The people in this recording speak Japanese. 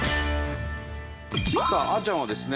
さああちゃんはですね